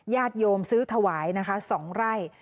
ญาติโยมซื้อถวายนะคะ๒ไร่